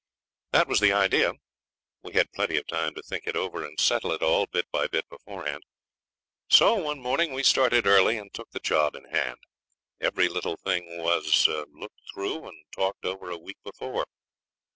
That was the idea. We had plenty of time to think it over and settle it all, bit by bit, beforehand. So one morning we started early and took the job in hand. Every little thing was looked through and talked over a week before.